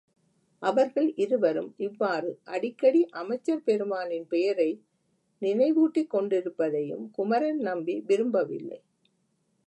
அவர்கள் இருவரும் இவ்வாறு அடிக்கடி அமைச்சர் பெருமானின் பெயரை நினைவூட்டிக்கொண்டிருப்பதையும் குமரன் நம்பி விரும்பவில்லை.